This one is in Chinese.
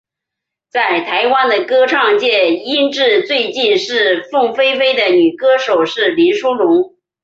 在台湾的歌唱界音质最近似凤飞飞的女歌手是林淑容。